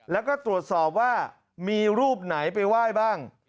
แล้วก็ตรวจสอบว่ามีรูปไหนไปไหว้บ้าง